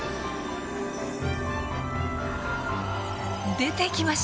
出てきました！